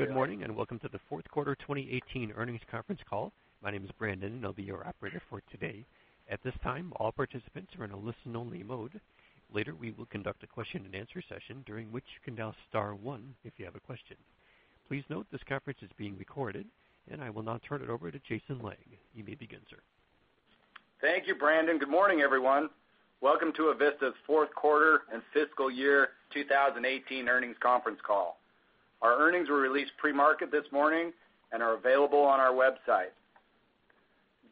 Good morning, welcome to the fourth quarter 2018 earnings conference call. My name is Brandon, I'll be your operator for today. At this time, all participants are in a listen-only mode. Later, we will conduct a question and answer session, during which you can dial star one if you have a question. Please note this conference is being recorded, I will now turn it over to Jason Lang. You may begin, sir. Thank you, Brandon. Good morning, everyone. Welcome to Avista's fourth quarter and fiscal year 2018 earnings conference call. Our earnings were released pre-market this morning are available on our website.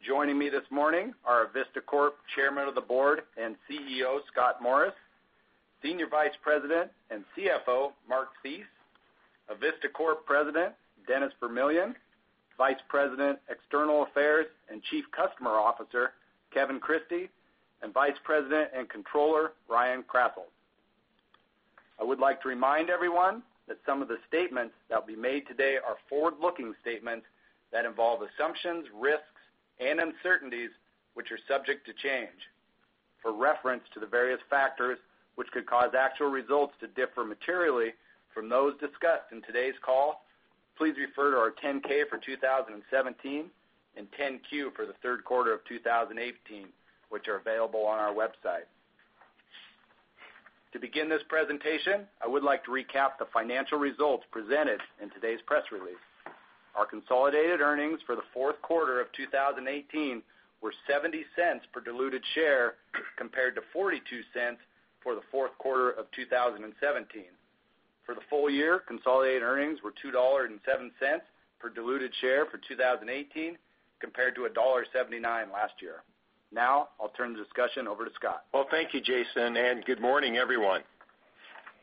Joining me this morning are Avista Corp Chairman of the Board and CEO, Scott Morris, Senior Vice President and CFO, Mark Thies, Avista Corp President, Dennis Vermillion, Vice President, External Affairs, and Chief Customer Officer, Kevin Christie, and Vice President and Controller, Ryan Krasselt. I would like to remind everyone that some of the statements that will be made today are forward-looking statements that involve assumptions, risks, and uncertainties, which are subject to change. For reference to the various factors which could cause actual results to differ materially from those discussed in today's call, please refer to our 10-K for 2017 and 10-Q for the third quarter of 2018, which are available on our website. To begin this presentation, I would like to recap the financial results presented in today's press release. Our consolidated earnings for the fourth quarter of 2018 were $0.70 per diluted share, compared to $0.42 for the fourth quarter of 2017. For the full year, consolidated earnings were $2.07 per diluted share for 2018, compared to $1.79 last year. I'll turn the discussion over to Scott. Thank you, Jason, good morning, everyone.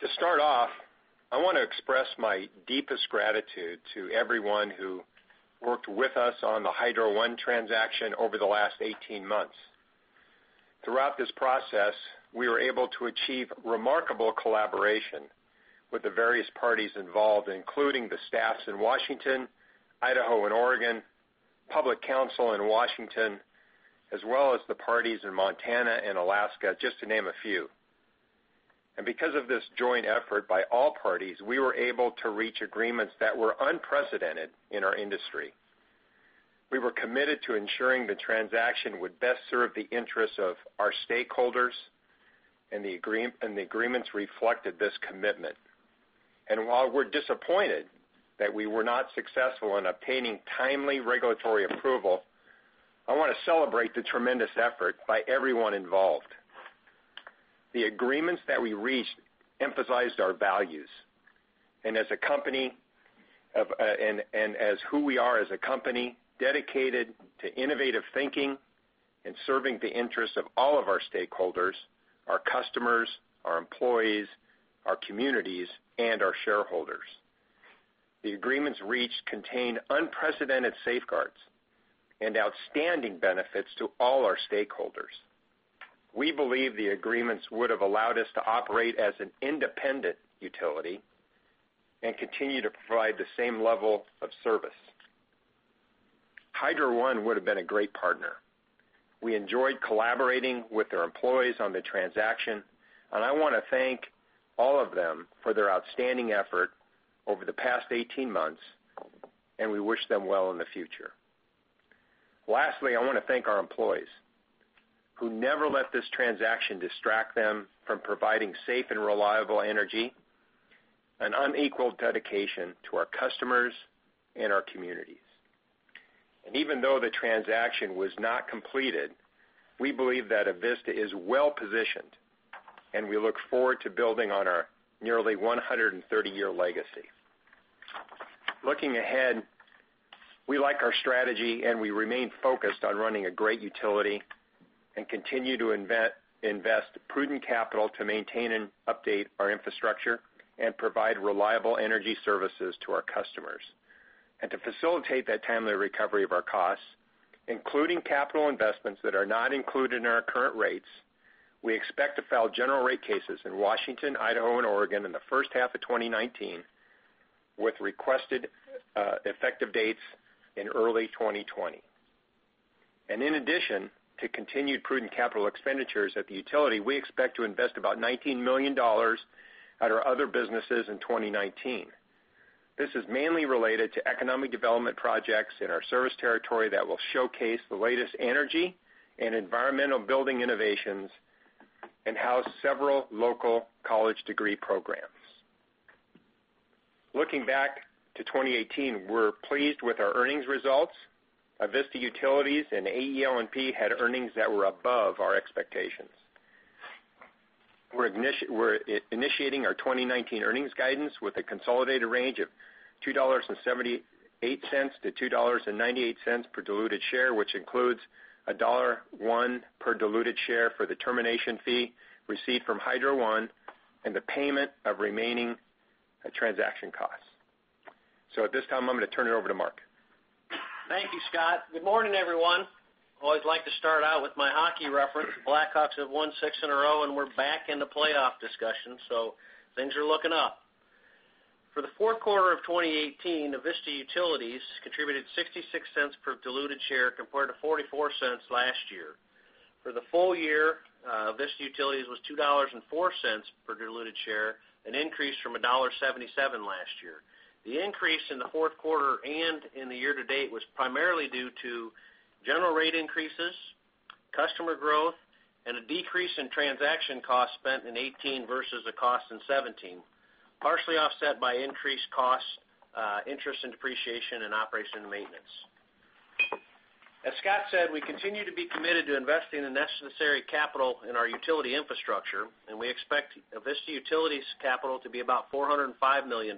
To start off, I want to express my deepest gratitude to everyone who worked with us on the Hydro One transaction over the last 18 months. Throughout this process, we were able to achieve remarkable collaboration with the various parties involved, including the staffs in Washington, Idaho, and Oregon, Public Counsel in Washington, as well as the parties in Montana and Alaska, just to name a few. Because of this joint effort by all parties, we were able to reach agreements that were unprecedented in our industry. We were committed to ensuring the transaction would best serve the interests of our stakeholders, the agreements reflected this commitment. While we're disappointed that we were not successful in obtaining timely regulatory approval, I want to celebrate the tremendous effort by everyone involved. The agreements that we reached emphasized our values, as who we are as a company dedicated to innovative thinking and serving the interests of all of our stakeholders, our customers, our employees, our communities, and our shareholders. The agreements reached contained unprecedented safeguards and outstanding benefits to all our stakeholders. We believe the agreements would have allowed us to operate as an independent utility and continue to provide the same level of service. Hydro One would've been a great partner. We enjoyed collaborating with their employees on the transaction. I want to thank all of them for their outstanding effort over the past 18 months. We wish them well in the future. Lastly, I want to thank our employees, who never let this transaction distract them from providing safe and reliable energy and unequaled dedication to our customers and our communities. Even though the transaction was not completed, we believe that Avista is well-positioned. We look forward to building on our nearly 130-year legacy. Looking ahead, we like our strategy. We remain focused on running a great utility and continue to invest prudent capital to maintain and update our infrastructure and provide reliable energy services to our customers. To facilitate that timely recovery of our costs, including capital investments that are not included in our current rates, we expect to file general rate cases in Washington, Idaho, and Oregon in the first half of 2019, with requested effective dates in early 2020. In addition to continued prudent capital expenditures at the utility, we expect to invest about $19 million at our other businesses in 2019. This is mainly related to economic development projects in our service territory that will showcase the latest energy and environmental building innovations and house several local college degree programs. Looking back to 2018, we're pleased with our earnings results. Avista Utilities and AEL&P had earnings that were above our expectations. We're initiating our 2019 earnings guidance with a consolidated range of $2.78 to $2.98 per diluted share, which includes $1.01 per diluted share for the termination fee received from Hydro One and the payment of remaining transaction costs. At this time, I'm going to turn it over to Mark. Thank you, Scott. Good morning, everyone. Always like to start out with my hockey reference. The Blackhawks have won six in a row. We're back in the playoff discussion. Things are looking up. For the fourth quarter of 2018, Avista Utilities contributed $0.66 per diluted share, compared to $0.44 last year. For the full year, Avista Utilities was $2.04 per diluted share, an increase from $1.77 last year. The increase in the fourth quarter and in the year-to-date was primarily due to general rate increases, customer growth, and a decrease in transaction costs spent in 2018 versus the cost in 2017, partially offset by increased costs, interest and depreciation, and operation and maintenance. As Scott said, we continue to be committed to investing the necessary capital in our utility infrastructure, we expect Avista Utilities capital to be about $405 million,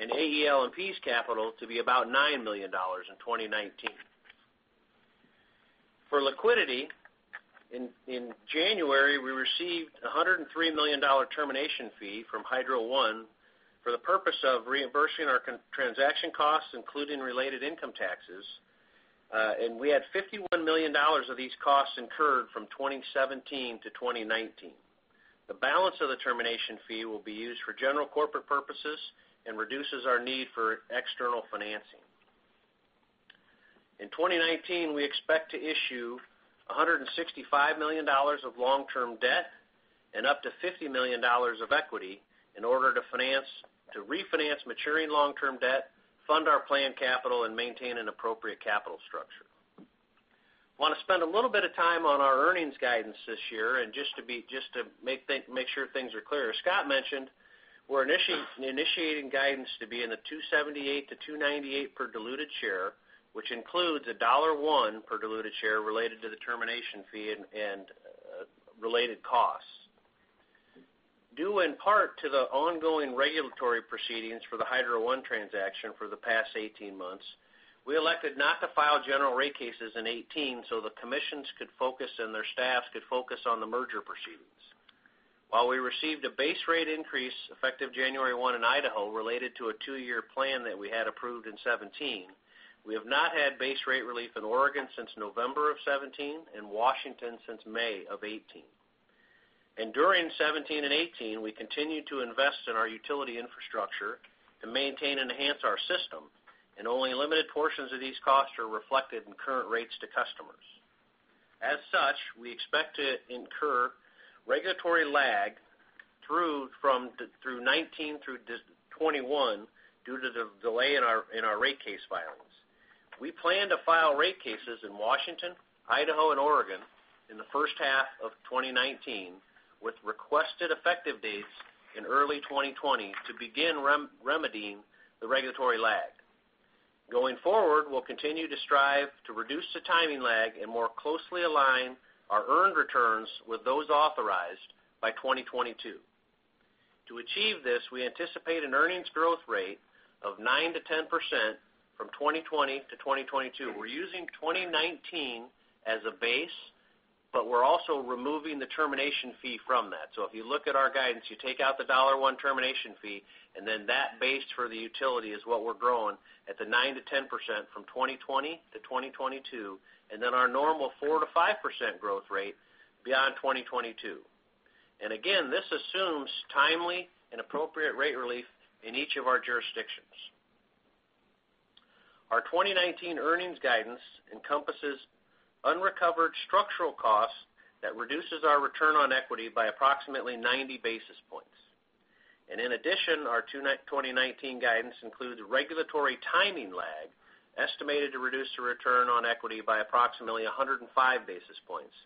and AEL&P's capital to be about $9 million in 2019. For liquidity, in January, we received a $103 million termination fee from Hydro One for the purpose of reimbursing our transaction costs, including related income taxes. We had $51 million of these costs incurred from 2017 to 2019. The balance of the termination fee will be used for general corporate purposes and reduces our need for external financing. In 2019, we expect to issue $165 million of long-term debt and up to $50 million of equity in order to refinance maturing long-term debt, fund our planned capital, and maintain an appropriate capital structure. We want to spend a little bit of time on our earnings guidance this year, just to make sure things are clear. As Scott mentioned, we're initiating guidance to be in the $2.78 to $2.98 per diluted share, which includes $1.01 per diluted share related to the termination fee and related costs. Due in part to the ongoing regulatory proceedings for the Hydro One transaction for the past 18 months, we elected not to file general rate cases in 2018 so the commissions and their staffs could focus on the merger proceedings. While we received a base rate increase effective January 1 in Idaho related to a two-year plan that we had approved in 2017, we have not had base rate relief in Oregon since November of 2017 and Washington since May of 2018. During 2017 and 2018, we continued to invest in our utility infrastructure to maintain and enhance our system, only limited portions of these costs are reflected in current rates to customers. As such, we expect to incur regulatory lag through 2019 through 2021 due to the delay in our rate case filings. We plan to file rate cases in Washington, Idaho, and Oregon in the first half of 2019, with requested effective dates in early 2020 to begin remedying the regulatory lag. Going forward, we'll continue to strive to reduce the timing lag and more closely align our earned returns with those authorized by 2022. To achieve this, we anticipate an earnings growth rate of 9%-10% from 2020 to 2022. We're using 2019 as a base, but we're also removing the termination fee from that. If you look at our guidance, you take out the $1.01 termination fee, that base for the utility is what we're growing at the 9%-10% from 2020 to 2022, our normal 4%-5% growth rate beyond 2022. Again, this assumes timely and appropriate rate relief in each of our jurisdictions. Our 2019 earnings guidance encompasses unrecovered structural costs that reduces our return on equity by approximately 90 basis points. In addition, our 2019 guidance includes regulatory timing lag estimated to reduce the return on equity by approximately 105 basis points,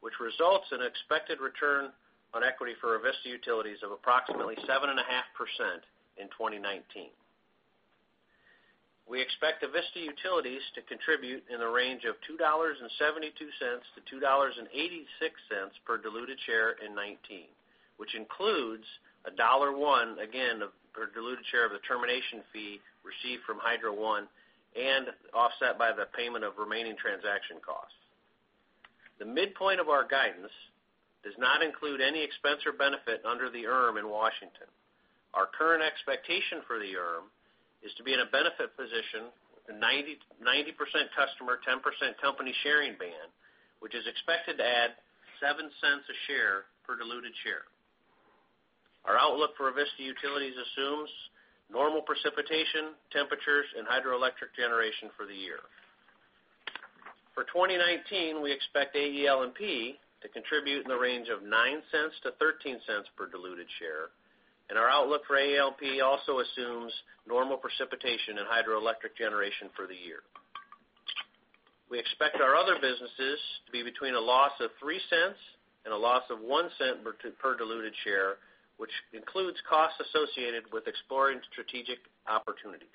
which results in expected return on equity for Avista Utilities of approximately 7.5% in 2019. We expect Avista Utilities to contribute in the range of $2.72 to $2.86 per diluted share in 2019, which includes $1.01, again, per diluted share of the termination fee received from Hydro One and offset by the payment of remaining transaction costs. The midpoint of our guidance does not include any expense or benefit under the ERM in Washington. Our current expectation for the ERM is to be in a benefit position with a 90% customer, 10% company sharing band, which is expected to add $0.07 a share per diluted share. Our outlook for Avista Utilities assumes normal precipitation, temperatures, and hydroelectric generation for the year. For 2019, we expect AEL&P to contribute in the range of $0.09 to $0.13 per diluted share. Our outlook for AEL&P also assumes normal precipitation and hydroelectric generation for the year. We expect our other businesses to be between a loss of $0.03 and a loss of $0.01 per diluted share, which includes costs associated with exploring strategic opportunities.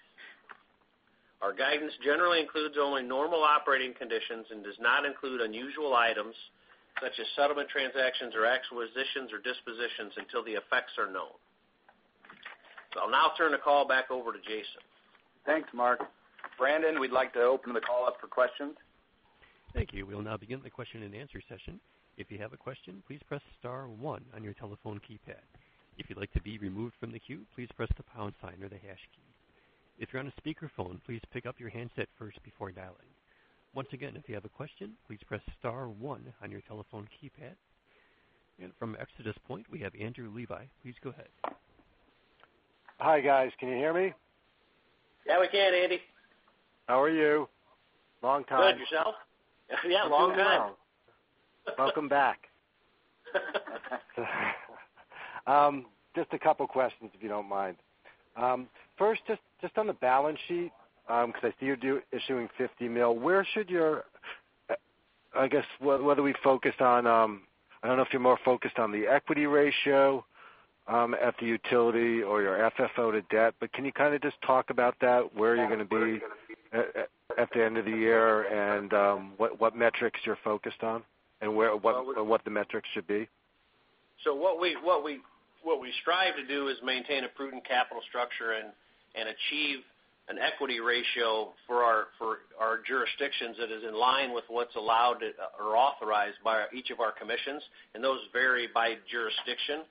Our guidance generally includes only normal operating conditions and does not include unusual items such as settlement transactions or acquisitions or dispositions until the effects are known. I'll now turn the call back over to Jason. Thanks, Mark. Brandon, we'd like to open the call up for questions. Thank you. We'll now begin the question-and-answer session. If you have a question, please press *1 on your telephone keypad. If you'd like to be removed from the queue, please press the pound sign or the hash key. If you're on a speakerphone, please pick up your handset first before dialing. Once again, if you have a question, please press *1 on your telephone keypad. From ExodusPoint, we have Andrew Levi. Please go ahead. Hi guys, can you hear me? Yeah, we can, Andy. How are you? Long time. Good. Yourself? Yeah, long time. Welcome back. Just a couple questions, if you don't mind. First, just on the balance sheet, because I see you're issuing $50 million. I don't know if you're more focused on the equity ratio at the utility or your FFO to debt, can you just talk about that, where you're going to be at the end of the year and what metrics you're focused on and what the metrics should be? What we strive to do is maintain a prudent capital structure and achieve an equity ratio for our jurisdictions that is in line with what's allowed or authorized by each of our commissions, and those vary by jurisdiction.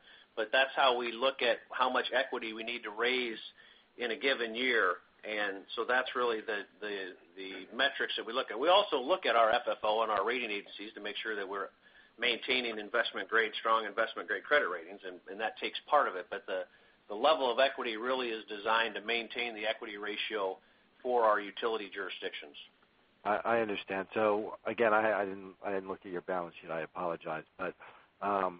That's how we look at how much equity we need to raise in a given year, that's really the metrics that we look at. We also look at our FFO and our rating agencies to make sure that we're maintaining strong investment-grade credit ratings, and that takes part of it. The level of equity really is designed to maintain the equity ratio for our utility jurisdictions. I understand. Again, I didn't look at your balance sheet. I apologize, I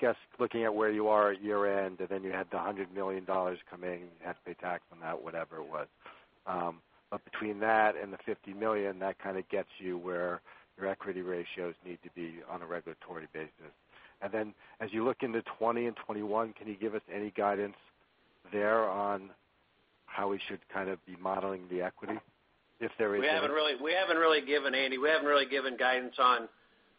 guess looking at where you are at year-end, and then you had the $100 million come in, you have to pay tax on that, whatever it was. Between that and the $50 million, that kind of gets you where your equity ratios need to be on a regulatory basis. As you look into 2020 and 2021, can you give us any guidance there on how we should kind of be modeling the equity if there is any? Andy, we haven't really given guidance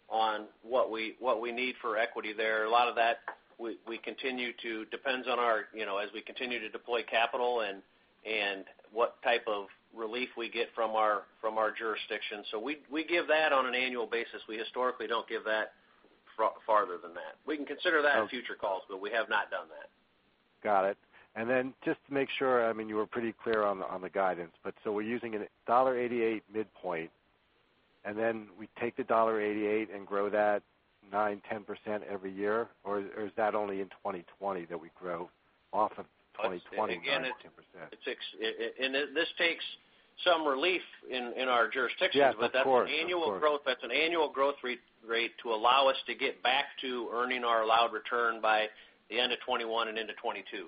on what we need for equity there. A lot of that depends as we continue to deploy capital and what type of relief we get from our jurisdiction. We give that on an annual basis. We historically don't give that farther than that. We can consider that in future calls, we have not done that. Got it. Just to make sure, I mean, you were pretty clear on the guidance. We're using a $1.88 midpoint, and then we take the $1.88 and grow that 9%, 10% every year? Is that only in 2020 that we grow off of 2020, 9%, 10%? Again, this takes some relief in our jurisdictions. Yes, of course. That's an annual growth rate to allow us to get back to earning our allowed return by the end of 2021 and into 2022.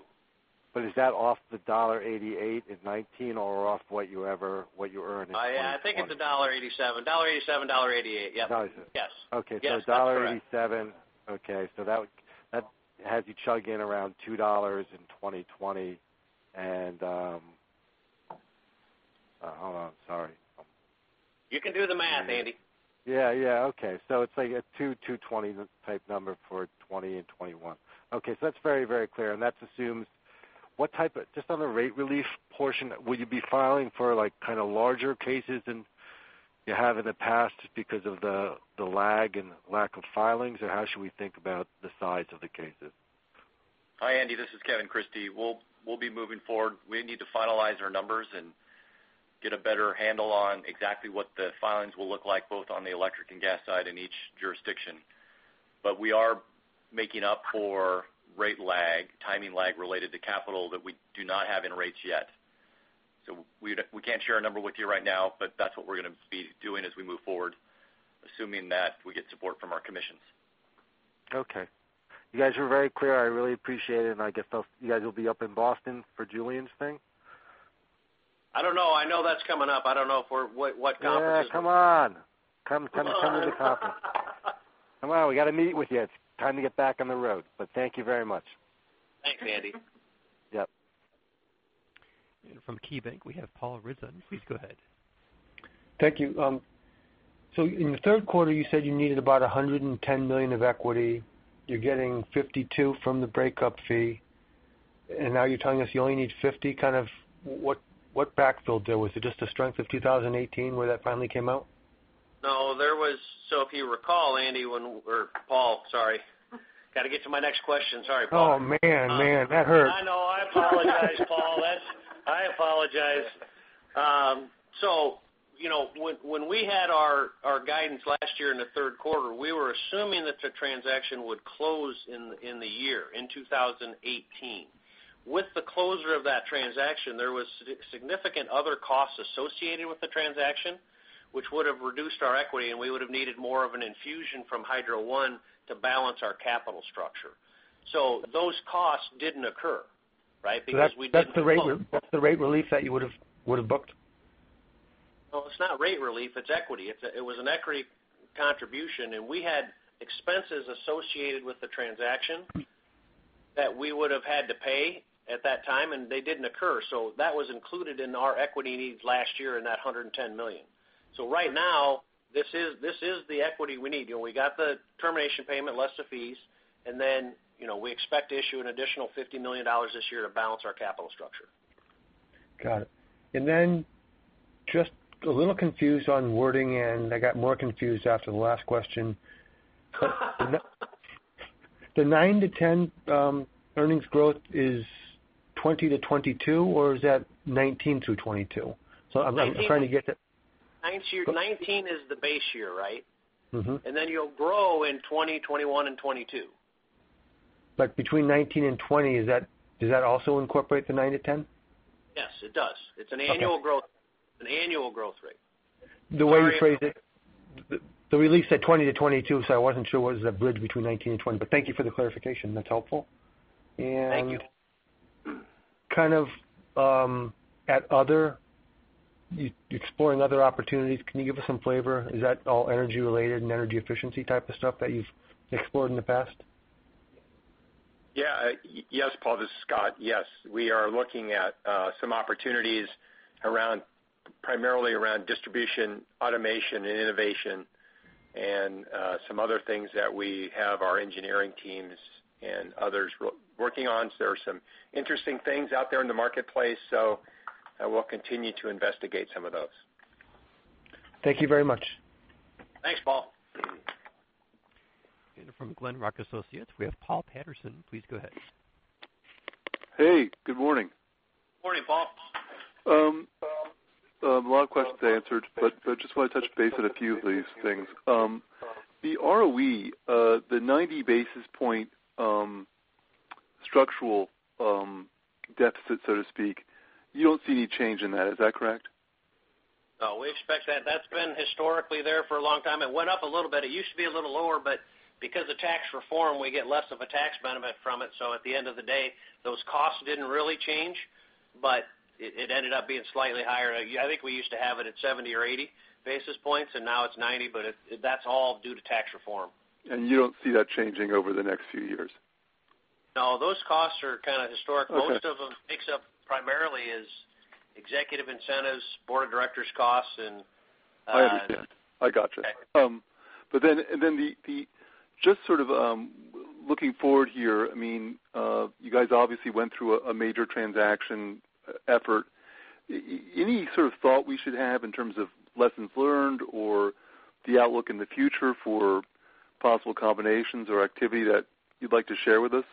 Is that off the $1.88 in 2019 or off what you earn in 2020? I think it's $1.87. $1.87, $1.88, yes. Got it. Yes. Okay. Yes, that's correct. $1.87. Okay, that has you chugging around $2 in 2020. Hold on, sorry. You can do the math, Andy. Yeah. Okay. It's like a $2.00, $2.20 type number for 2020 and 2021. Okay. That's very clear, and that assumes. Just on the rate relief portion, will you be filing for larger cases than you have in the past because of the lag and lack of filings? Or how should we think about the size of the cases? Hi, Andy, this is Kevin Christie. We'll be moving forward. We need to finalize our numbers and get a better handle on exactly what the filings will look like, both on the electric and gas side in each jurisdiction. We are making up for rate lag, timing lag related to capital that we do not have in rates yet. We can't share a number with you right now, but that's what we're going to be doing as we move forward, assuming that we get support from our commissions. Okay. You guys were very clear. I really appreciate it, and I guess you guys will be up in Boston for Julien's thing? I don't know. I know that's coming up. I don't know what conference it is. Yeah, come on. Come to the conference. Come on. Come on. We got to meet with you. It's time to get back on the road. Thank you very much. Thanks, Andy. Yep. From KeyBanc, we have Paul Ridzon. Please go ahead. Thank you. In the third quarter, you said you needed about $110 million of equity. You're getting $52 from the breakup fee, now you're telling us you only need $50. What backfill deal? Was it just the strength of 2018 where that finally came out? No. If you recall, Andy, or Paul, sorry. Got to get to my next question. Sorry, Paul. Oh, man. That hurts. I know. I apologize, Paul. I apologize. When we had our guidance last year in the third quarter, we were assuming that the transaction would close in the year, in 2018. With the closure of that transaction, there was significant other costs associated with the transaction, which would have reduced our equity, and we would have needed more of an infusion from Hydro One to balance our capital structure. Those costs didn't occur, right? Because we didn't close. That's the rate relief that you would've booked? No, it's not rate relief, it's equity. It was an equity contribution, and we had expenses associated with the transaction that we would have had to pay at that time, and they didn't occur. That was included in our equity needs last year in that $110 million. Right now, this is the equity we need. We got the termination payment less the fees, we expect to issue an additional $50 million this year to balance our capital structure. Got it. Just a little confused on wording, and I got more confused after the last question. The 9%-10% earnings growth is 2020-2022, or is that 2019-2022? I'm trying to get that- 2019 is the base year, right? You'll grow in 2020, 2021, and 2022. Between 2019 and 2020, does that also incorporate the nine to 10? Yes, it does. Okay. It's an annual growth rate. The way we phrased it, the release said 2020 to 2022, so I wasn't sure whether it was a bridge between 2019 and 2020. Thank you for the clarification. That's helpful. Thank you. Exploring other opportunities, can you give us some flavor? Is that all energy related and energy efficiency type of stuff that you've explored in the past? Yeah. Yes, Paul, this is Scott. Yes, we are looking at some opportunities primarily around distribution, automation and innovation and some other things that we have our engineering teams and others working on. There are some interesting things out there in the marketplace, so I will continue to investigate some of those. Thank you very much. Thanks, Paul. From Glenrock Associates, we have Paul Patterson. Please go ahead. Hey, good morning. Morning, Paul. A lot of questions answered, but just want to touch base on a few of these things. The ROE, the 90 basis point structural deficit, so to speak, you don't see any change in that, is that correct? No, we expect that. That's been historically there for a long time. It went up a little bit. It used to be a little lower, but because of tax reform, we get less of a tax benefit from it. At the end of the day, those costs didn't really change, but it ended up being slightly higher. I think we used to have it at 70 or 80 basis points, and now it's 90, but that's all due to tax reform. You don't see that changing over the next few years? No, those costs are kind of historic. Okay. Most of them, makes up primarily as executive incentives, board of directors costs. I understand. I got you. Okay. Just sort of looking forward here, you guys obviously went through a major transaction effort. Any sort of thought we should have in terms of lessons learned or the outlook in the future for possible combinations or activity that you'd like to share with us?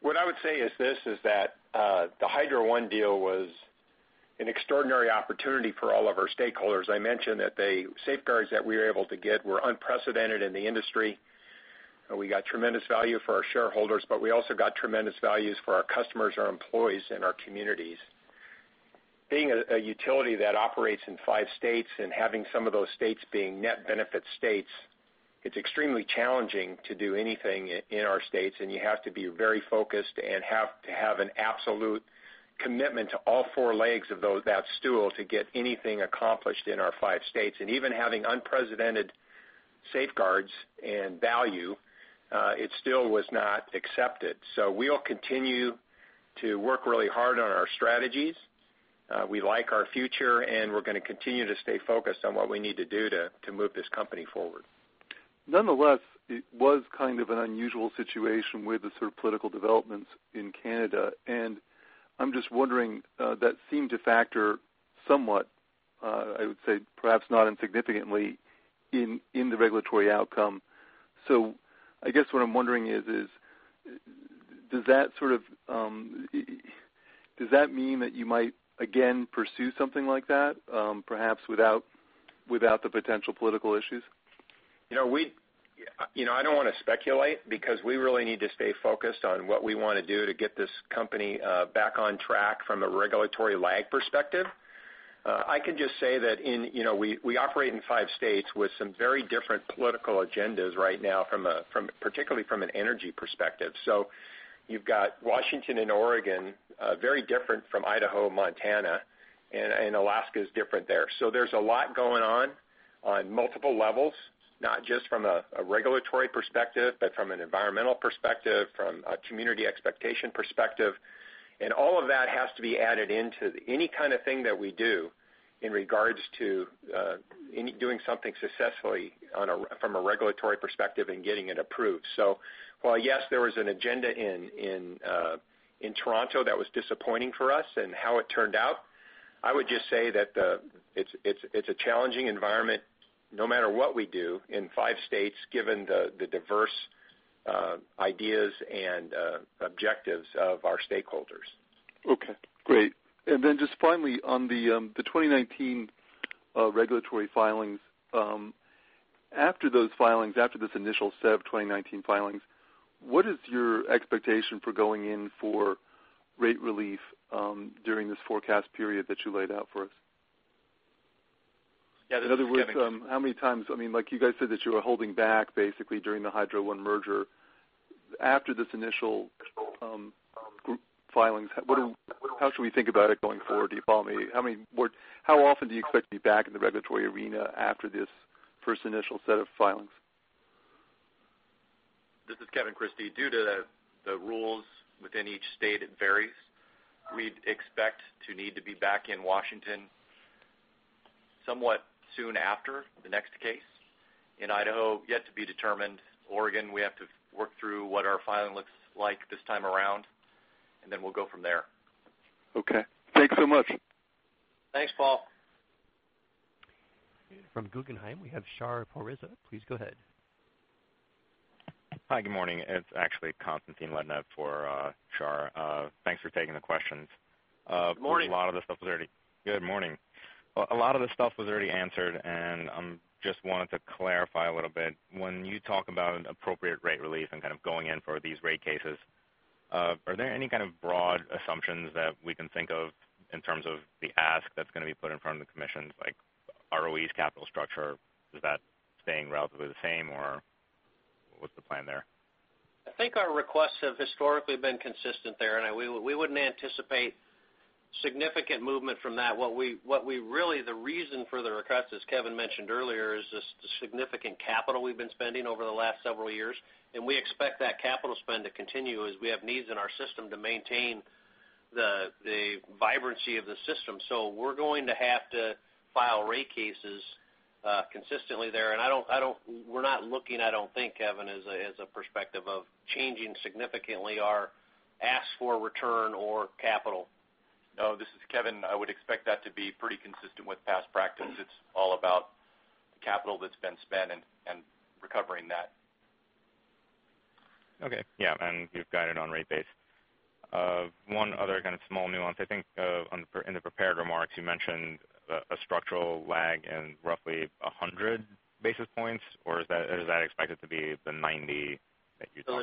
What I would say is this, is that the Hydro One deal was an extraordinary opportunity for all of our stakeholders. I mentioned that the safeguards that we were able to get were unprecedented in the industry. We got tremendous value for our shareholders, but we also got tremendous values for our customers, our employees, and our communities. Being a utility that operates in five states and having some of those states being net benefit states, it's extremely challenging to do anything in our states, and you have to be very focused and have to have an absolute commitment to all four legs of that stool to get anything accomplished in our five states. Even having unprecedented safeguards and value, it still was not accepted. We'll continue to work really hard on our strategies. We like our future, we're going to continue to stay focused on what we need to do to move this company forward. Nonetheless, it was kind of an unusual situation with the sort of political developments in Canada, and I'm just wondering, that seemed to factor somewhat, I would say perhaps not insignificantly, in the regulatory outcome. I guess what I'm wondering is, does that mean that you might again pursue something like that, perhaps without the potential political issues? I don't want to speculate because we really need to stay focused on what we want to do to get this company back on track from a regulatory lag perspective. I can just say that we operate in five states with some very different political agendas right now, particularly from an energy perspective. You've got Washington and Oregon, very different from Idaho, Montana, and Alaska is different there. There's a lot going on multiple levels, not just from a regulatory perspective, but from an environmental perspective, from a community expectation perspective. All of that has to be added into any kind of thing that we do in regards to doing something successfully from a regulatory perspective and getting it approved. While, yes, there was an agenda in Toronto that was disappointing for us and how it turned out, I would just say that it's a challenging environment no matter what we do in five states, given the diverse ideas and objectives of our stakeholders. Okay, great. Just finally on the 2019 regulatory filings. After those filings, after this initial set of 2019 filings, what is your expectation for going in for rate relief during this forecast period that you laid out for us? In other words, you guys said that you were holding back basically during the Hydro One merger. After this initial filings, how should we think about it going forward? How often do you expect to be back in the regulatory arena after this first initial set of filings? This is Kevin Christie. Due to the rules within each state, it varies. We'd expect to need to be back in Washington somewhat soon after the next case. In Idaho, yet to be determined. Oregon, we have to work through what our filing looks like this time around, and then we'll go from there. Okay. Thanks so much. Thanks, Paul. From Guggenheim, we have Shahriar Pourreza. Please go ahead. Hi, good morning. It's actually Konstantin Lednev for Char. Thanks for taking the questions. Good morning. Good morning. A lot of the stuff was already answered. I just wanted to clarify a little bit. When you talk about appropriate rate relief and kind of going in for these rate cases, are there any kind of broad assumptions that we can think of in terms of the ask that's going to be put in front of the commissions, like ROE's capital structure? Is that staying relatively the same, or what's the plan there? I think our requests have historically been consistent there. We wouldn't anticipate significant movement from that. Really, the reason for the request, as Kevin mentioned earlier, is the significant capital we've been spending over the last several years. We expect that capital spend to continue as we have needs in our system to maintain the vibrancy of the system. We're going to have to file rate cases consistently there. We're not looking, I don't think, Kevin, as a perspective of changing significantly our ask for return or capital. No, this is Kevin. I would expect that to be pretty consistent with past practice. It's all about the capital that's been spent and recovering that. Okay. Yeah. You've got it on rate base. One other kind of small nuance. I think in the prepared remarks, you mentioned a structural lag in roughly 100 basis points, or is that expected to be the 90 that you talked about?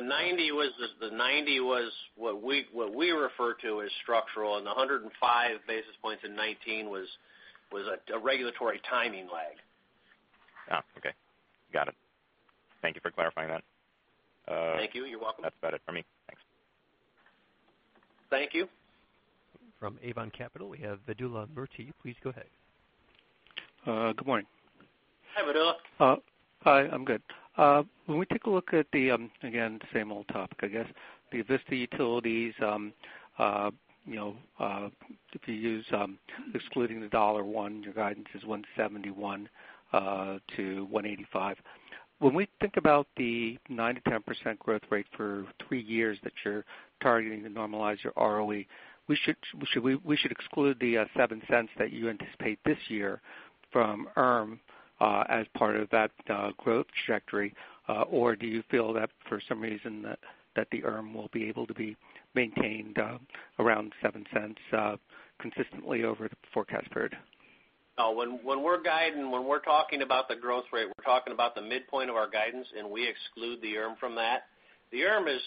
The 90 was what we refer to as structural, the 105 basis points in 2019 was a regulatory timing lag. Oh, okay. Got it. Thank you for clarifying that. Thank you. You're welcome. That's about it for me. Thanks. Thank you. From Avon Capital, we have Vedula Murti. Please go ahead. Good morning. Hi, Vedula. Hi. I'm good. We take a look at the, again, same old topic, I guess the Avista Utilities, your guidance is $1.71 to $1.85. We think about the 9%-10% growth rate for 3 years that you're targeting to normalize your ROE, we should exclude the $0.07 that you anticipate this year from ERM as part of that growth trajectory. Do you feel that for some reason that the ERM will be able to be maintained around $0.07 consistently over the forecast period? We're talking about the growth rate, we're talking about the midpoint of our guidance, and we exclude the ERM from that. The ERM is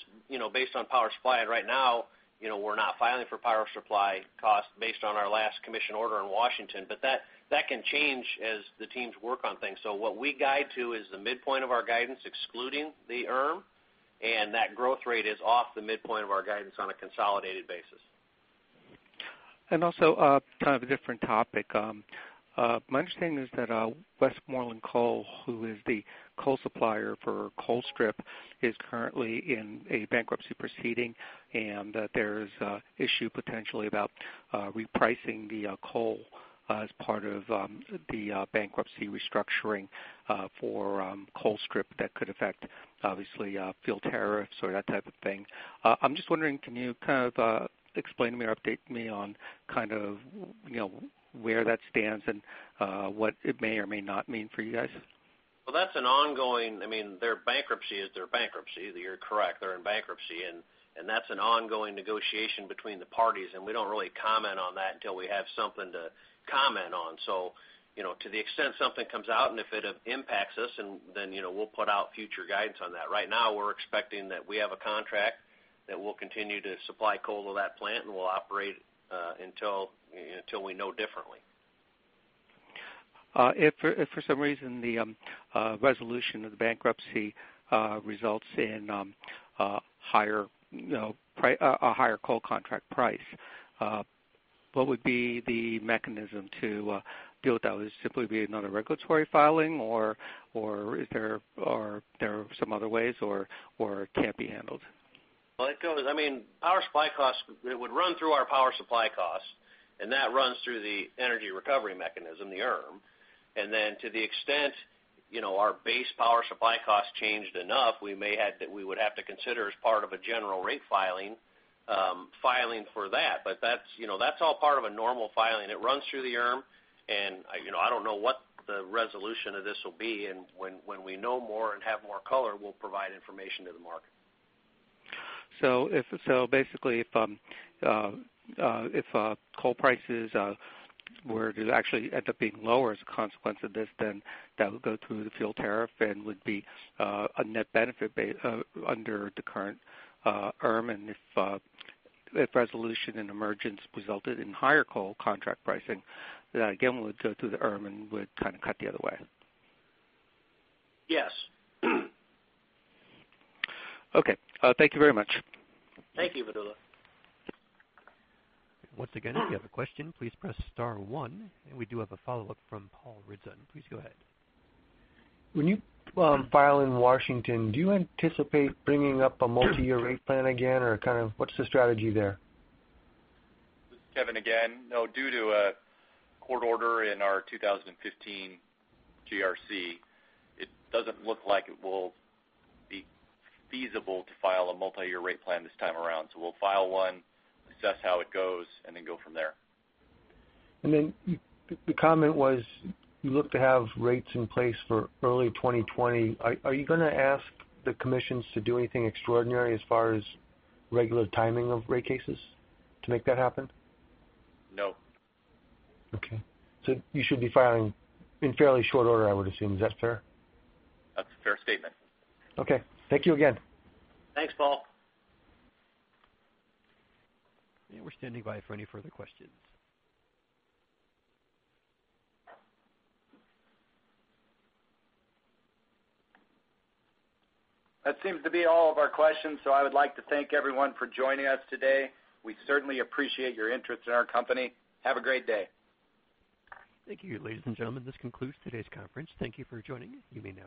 based on power supply. Right now, we're not filing for power supply cost based on our last commission order in Washington. That can change as the teams work on things. What we guide to is the midpoint of our guidance, excluding the ERM, and that growth rate is off the midpoint of our guidance on a consolidated basis. Also kind of a different topic. My understanding is that Westmoreland Coal, who is the coal supplier for Colstrip, is currently in a bankruptcy proceeding, and that there's an issue potentially about repricing the coal as part of the bankruptcy restructuring for Colstrip that could affect, obviously, fuel tariffs or that type of thing. I'm just wondering, can you kind of explain to me or update me on kind of where that stands and what it may or may not mean for you guys? Their bankruptcy is their bankruptcy. You're correct. They're in bankruptcy. That's an ongoing negotiation between the parties, and we don't really comment on that until we have something to comment on. To the extent something comes out and if it impacts us, then we'll put out future guidance on that. Right now, we're expecting that we have a contract that will continue to supply coal to that plant, and we'll operate until we know differently. If for some reason the resolution of the bankruptcy results in a higher coal contract price, what would be the mechanism to deal with that? Would it simply be another regulatory filing, or are there some other ways, or it can't be handled? It would run through our power supply costs, and that runs through the Energy Recovery Mechanism, the ERM. Then to the extent our base power supply costs changed enough, we would have to consider as part of a general rate filing for that. That's all part of a normal filing. It runs through the ERM, and I don't know what the resolution of this will be. When we know more and have more color, we'll provide information to the market. Basically, if coal prices were to actually end up being lower as a consequence of this, then that would go through the fuel tariff and would be a net benefit under the current ERM. If resolution and emergence resulted in higher coal contract pricing, that again would go through the ERM and would kind of cut the other way. Yes. Okay. Thank you very much. Thank you, Vedula. Once again, if you have a question, please press star one. We do have a follow-up from Paul Ridzon. Please go ahead. When you file in Washington, do you anticipate bringing up a multi-year rate plan again, or kind of what's the strategy there? This is Kevin again. No, due to a court order in our 2015 GRC, it doesn't look like it will be feasible to file a multi-year rate plan this time around. We'll file one, assess how it goes, and then go from there. The comment was you look to have rates in place for early 2020. Are you going to ask the commissions to do anything extraordinary as far as regular timing of rate cases to make that happen? No. Okay. You should be filing in fairly short order, I would assume. Is that fair? That's a fair statement. Okay. Thank you again. Thanks, Paul. We're standing by for any further questions. That seems to be all of our questions. I would like to thank everyone for joining us today. We certainly appreciate your interest in our company. Have a great day. Thank you, ladies and gentlemen. This concludes today's conference. Thank you for joining. You may now disconnect.